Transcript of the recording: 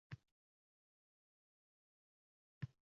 Hakamlar jazoni belgilashayotganida Suqrot yana sarkashlik yo‘lini tutadi